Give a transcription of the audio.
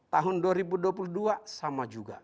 tahun dua ribu dua puluh dua sama juga